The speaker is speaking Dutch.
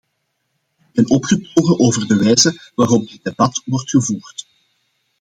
Ik ben opgetogen over de wijze waarop dit debat wordt gevoerd.